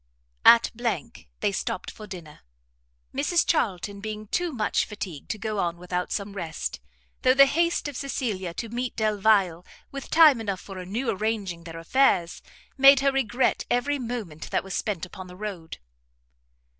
At they stopt for dinner; Mrs Charlton being too much fatigued to go on without some rest, though the haste of Cecilia to meet Delvile time enough for new arranging their affairs, made her regret every moment that was spent upon the road.